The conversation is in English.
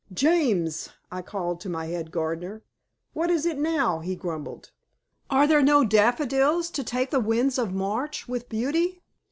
"James!" I called to my head gardener. "What is it now?" he grumbled. "Are there no daffodils, to take the winds of March with beauty?"